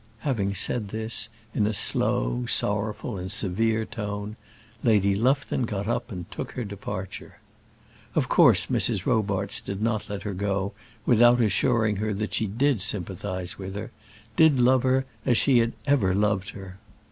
Having said this, in a slow, sorrowful, and severe tone, Lady Lufton got up and took her departure. Of course Mrs. Robarts did not let her go without assuring her that she did sympathize with her, did love her as she ever had loved her.